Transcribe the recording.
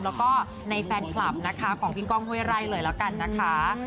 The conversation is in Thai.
แล้วก็ในแฟนคลับนะคะของพี่ก้องห้วยไร่เลยแล้วกันนะคะ